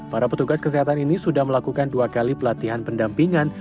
para petugas kesehatan ini sudah melakukan dua kali pelatihan pendampingan